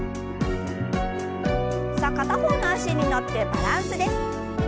さあ片方の脚に乗ってバランスです。